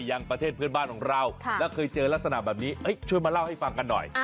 อย่างประเทศเพื่อนบ้านของเราแล้วเคยเจอลักษณะแบบนี้ช่วยมาเล่าให้ฟังกันหน่อย